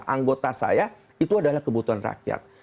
anggota saya itu adalah kebutuhan rakyat